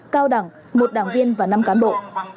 cao đẳng một đảng viên và năm cán bộ